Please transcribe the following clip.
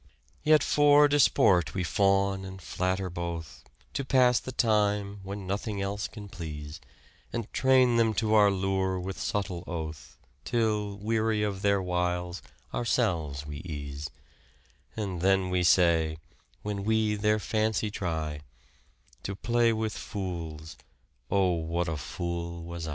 " Yet for disport we fawn and flatter both, To pass the time when nothing else can please, And train them to our lure with subtle oath, Till, weary of their wiles, ourselves we ease ; And then we say, when we their fancy try, To play with fools. Oh what a fool was I."